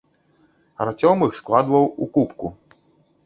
Арцём іх складваў у купку.